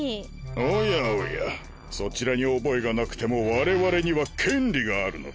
おやおやそちらに覚えがなくても我々には権利があるのだ。